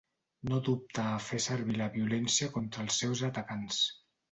No dubta a fer servir la violència contra els seus atacants.